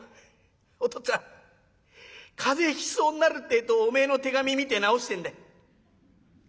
お父っつぁん風邪ひきそうになるってえとおめえの手紙見て治してんだ。